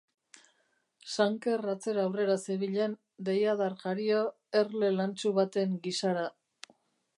Sanker atzera-aurrera zebilen, deiadar jario, erle lantsu baten gisara.